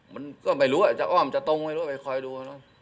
มันก็ไม่รู้ว่าจะอ้อมจะตรงไม่รู้ไปคอยดู